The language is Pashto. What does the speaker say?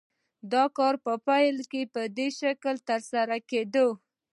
دا کار په پیل کې په دې شکل ترسره کېده